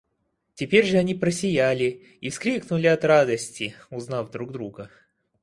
Теперь же они просияли и вскрикнули от радости, узнав друг друга.